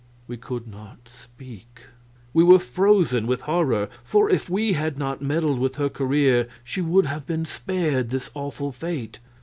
We could not speak; we were frozen with horror, for if we had not meddled with her career she would have been spared this awful fate.